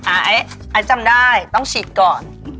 ไอ้จำได้ต้องฉีดก่อน